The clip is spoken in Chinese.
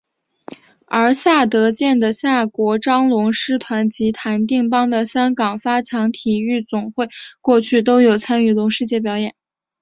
而夏德健的夏国璋龙狮团及谭定邦的香港发强体育总会过去都有参与龙狮节表演。